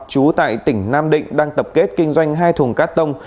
chú tại tỉnh nam định đang tập kết kinh doanh hai thùng cát tông